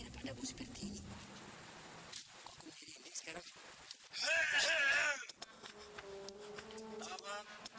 tapi mau jual sapi